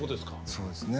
そうですね。